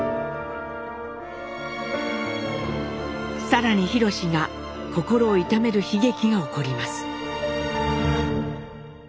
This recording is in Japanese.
更に廣が心を痛める悲劇が起こります。